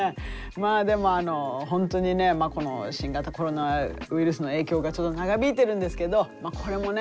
まあでも本当にね新型コロナウイルスの影響がちょっと長引いてるんですけどこれもね